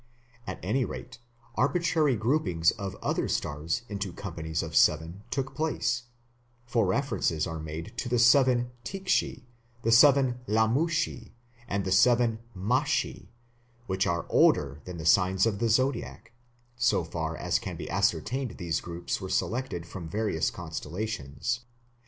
At any rate arbitrary groupings of other stars into companies of seven took place, for references are made to the seven Tikshi, the seven Lumashi, and the seven Mashi, which are older than the signs of the Zodiac; so far as can be ascertained these groups were selected from various constellations.